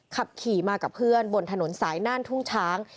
ขับขี่มากับเพื่อนบนถนนสายน่านทุ่งช้าง